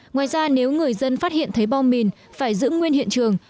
ngoài ra nếu người dân phát hiện thấy bom mìn phải giữ nguyên hiện trường